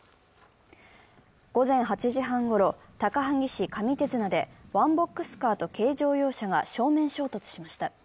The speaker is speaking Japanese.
午前８時半ごろ、高萩市上手綱でワンボックスカーと軽乗用車が正面衝突しました。